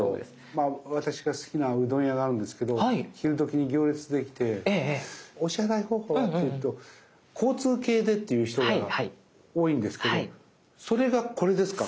私が好きなうどん屋があるんですけど昼どきに行列できて「お支払い方法は？」っていうと「交通系で」って言う人が多いんですけどそれがこれですか？